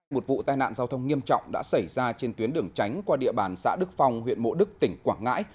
một vụ tai nạn giao thông nghiêm trọng đã xảy ra trên tuyến đường tránh qua địa bàn xã đức phong huyện mộ đức tỉnh quảng ngãi